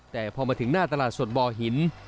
แต่พอมาถึงหน้าตลาดสดบ่อหิน